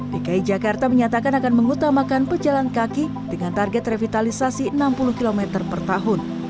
dki jakarta menyatakan akan mengutamakan pejalan kaki dengan target revitalisasi enam puluh km per tahun